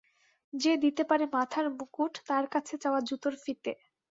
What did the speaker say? যে দিতে পারে মাথার মুকুট, তার কাছে চাওয়া জুতোর ফিতে!